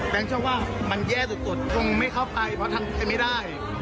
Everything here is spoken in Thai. เชื่อว่ามันแย่สุดคงไม่เข้าไปเพราะทำไปไม่ได้